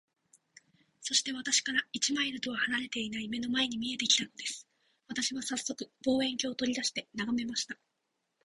そして、私から一マイルとは離れていない眼の前に見えて来たのです。私はさっそく、望遠鏡を取り出して眺めました。